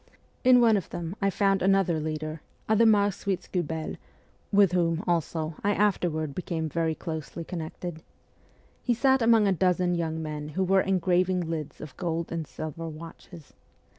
In one of them I found another leader, Adhemar Schwitzguebel, with whom, also, I afterward became very closely connected. He sat among a dozen young men who were engraving lids of gold arid silver watches.